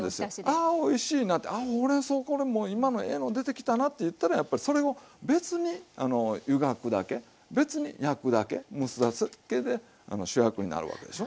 あおいしいなってあほうれんそうこれもう今のええの出てきたなっていったらやっぱりそれを別にゆがくだけ別に焼くだけ蒸すだけで主役になるわけでしょ。